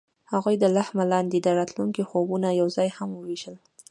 هغوی د لمحه لاندې د راتلونکي خوبونه یوځای هم وویشل.